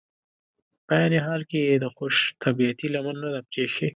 په عین حال کې یې د خوش طبعیتي لمن نه ده پرېښي.